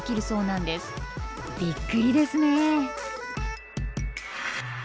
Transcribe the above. びっくりですね。